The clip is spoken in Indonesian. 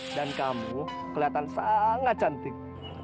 dan kamu kelihatan sangat cantik